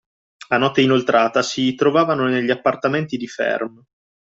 A notte inoltrata si trovavano negli appartamenti di Ferm.